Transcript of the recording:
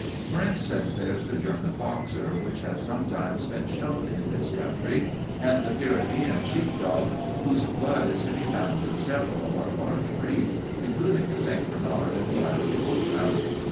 For instance, there's the German boxer which has sometimes been shown in this country, and the Pyrenean sheepdog whose blood is to be found in several of our large breeds, including the St. Bernard and the Irish wolfhound.